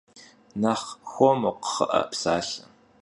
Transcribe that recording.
Nexh xuemu, kxhı'e, psalhe!